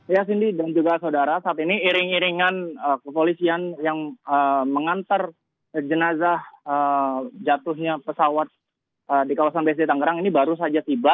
ya cindy dan juga saudara saat ini iring iringan kepolisian yang mengantar jenazah jatuhnya pesawat di kawasan bc tangerang ini baru saja tiba